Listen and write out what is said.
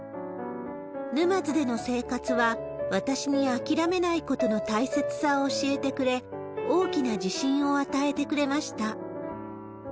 沼津での生活は、私に諦めないことの大切さを教えてくれ、大きな自信を与えてくれました。